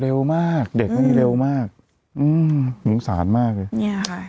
เร็วมากเด็กเขานี่เร็วมากอืมหนุ่มสารมากเลย